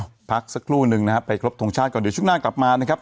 พักสักครู่นึงนะครับไปครบทรงชาติก่อนเดี๋ยวช่วงหน้ากลับมานะครับ